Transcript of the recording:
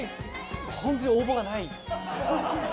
本当に応募がない。